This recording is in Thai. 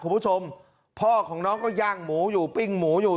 คุณผู้ชมพ่อของน้องก็ย่างหมูอยู่ปิ้งหมูอยู่